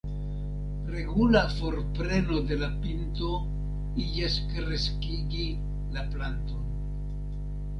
Regula forpreno de la pinto iĝas kreskigi la planton.